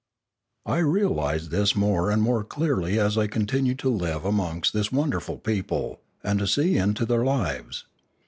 I realised this more and more clearly as I continued to live amongst this wonderful people, and to see into their lives.